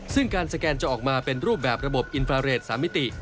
ซึ่งการสแกนจะออกมาเป็นรูปแบบระบบอินฟาเรท๓มิติ